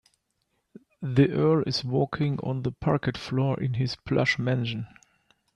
The earl is walking on the parquet floor in his plush mansion.